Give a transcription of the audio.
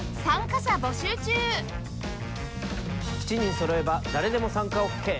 ７人そろえば誰でも参加オッケー。